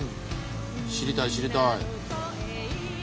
知りたい知りたい。